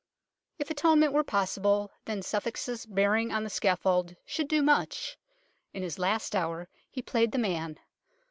If atonement were possible, then Suffolk's bearing on the scaffold should do much. In his last hour he played the man.